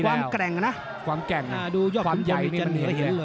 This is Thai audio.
ความแกร่งนะความใช้เนี่ย